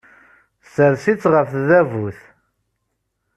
Ssers-itt ɣef tdabut.